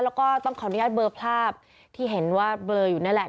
แล้วก็ต้องขออนุญาตเบอร์ภาพที่เห็นว่าเบลออยู่นั่นแหละ